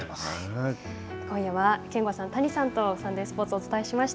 今夜は憲剛さん、谷さんとサンデースポーツ、お伝えしました。